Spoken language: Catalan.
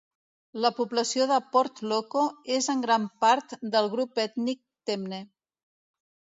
La població de Port Loko és en gran part del grup ètnic temne.